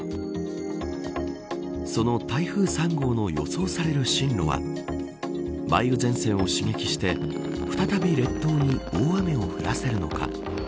その台風３号の予想される進路は梅雨前線を刺激して再び列島に大雨を降らせるのか。